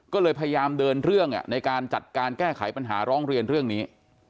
ก็เลยพยายามเดินเรื่องในการจัดการแก้ไขปัญหาร้องเรียนเรื่องนี้